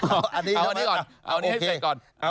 เอาอันนี้ก่อนเอานี่ให้เขียนก่อน